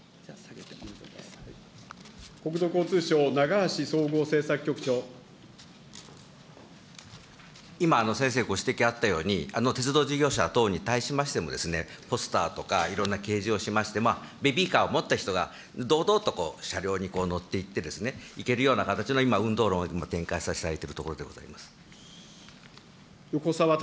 国土交通省、今、先生ご指摘あったように、鉄道事業者等に対しましてもですね、ポスターとか、いろんな掲示をしまして、ベビーカーを持った人が堂々と車両に乗っていけるような形の今、を展開させていただいているところでございます。